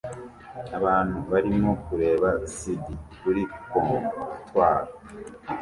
Abantu barimo kureba CD kuri comptoir